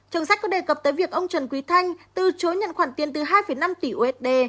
trong sách có đề cập tới việc ông trần quý thanh từ chối nhận khoản tiền từ hai năm tỷ usd